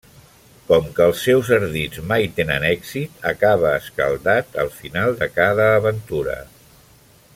Com que els seus ardits mai tenen èxit, acaba escaldat al final de cada aventura.